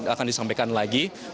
akan disampaikan lagi